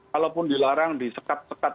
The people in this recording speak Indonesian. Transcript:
kalaupun dilarang disekat sekat